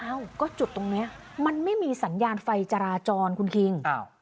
เอ้าก็จุดตรงนี้มันไม่มีสัญญาณไฟจราจรคุณคิง